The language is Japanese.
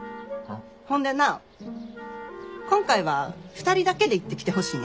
ほんでな今回は２人だけで行ってきてほしいねん。